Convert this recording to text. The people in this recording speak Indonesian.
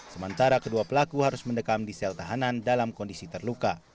sementara kedua pelaku harus mendekam di sel tahanan dalam kondisi terluka